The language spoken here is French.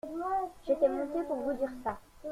J'étais monté pour vous dire ça.